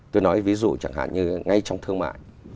tôi nói ví dụ chẳng hạn như ngay trong thương mại